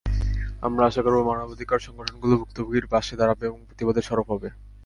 আমরা আশা করব, মানবাধিকার সংগঠনগুলো ভুক্তভোগীর পাশে দাঁড়াবে এবং প্রতিবাদে সরব হবে।